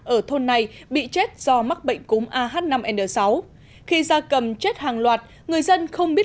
ở thôn này bị chết do mắc bệnh cúm ah năm n sáu khi gia cầm chết hàng loạt người dân không biết